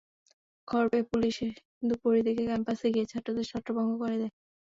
খবর পেয়ে পুলিশ দুপুরের দিকে ক্যাম্পাসে গিয়ে ছাত্রদের ছত্রভঙ্গ করে দেয়।